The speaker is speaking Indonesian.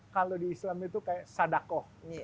kalau di islam itu kayak sadakoh